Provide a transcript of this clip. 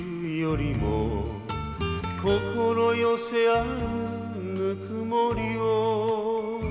「心よせ合うぬくもりを」